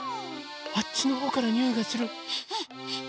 あっちのほうからにおいがする。